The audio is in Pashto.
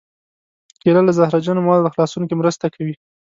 کېله له زهرجنو موادو خلاصون کې مرسته کوي.